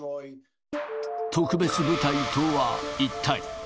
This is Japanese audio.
特別部隊とは一体。